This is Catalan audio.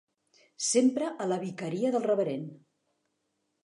Sempre a la vicaria del reverend.